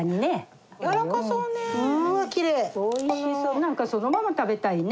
何かそのまま食べたいね。